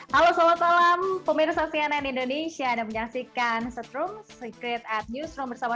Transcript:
halo selamat malam pemirsa cnn indonesia anda menyaksikan setrum secret at newsroom bersama